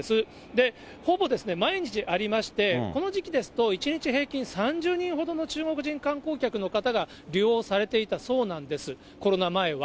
で、ほぼですね、毎日ありまして、この時期ですと、１日平均３０人ほどの中国人観光客の方が利用されていたそうなんです、コロナ前は。